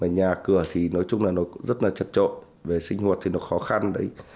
nhà cửa thì nói chung là nó rất là chất trộn về sinh hoạt thì nó khó khăn đấy